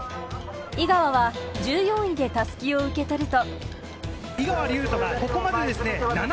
井川は１４位で襷を受け取ると。